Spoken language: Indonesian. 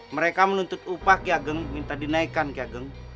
mereka menuntut upah kyageng minta dinaikkan kyageng